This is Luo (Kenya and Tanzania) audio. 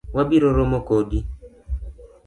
Wabiro romo kodi.